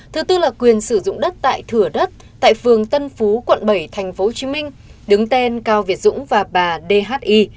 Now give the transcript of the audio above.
thứ tư là quyền sử dụng đất tại thửa đất tại phường tân phú quận bảy tp hcm đứng tên cao việt dũng và bà dhi